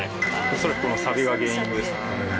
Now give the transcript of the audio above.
恐らくこのサビが原因です。